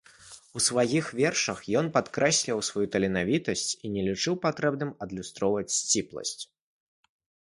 У сваіх вершаў ён падкрэсліваў сваю таленавітасць і не лічыў патрэбным адлюстроўваць сціпласць.